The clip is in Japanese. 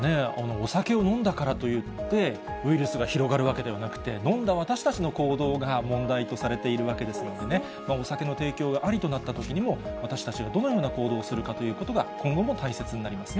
お酒を飲んだからといって、ウイルスが広がるわけではなくて、飲んだ私たちの行動が問題とされているわけですのでね、お酒の提供がありとなったときにも、私たちはどのような行動をするかというのが今後も大切になりますね。